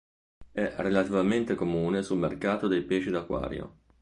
È relativamente comune sul mercato dei pesci d'acquario.